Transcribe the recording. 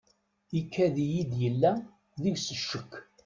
Ikad-iyi-d yella deg-s ccek.